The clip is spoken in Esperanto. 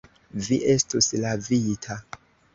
Vi estus lavita.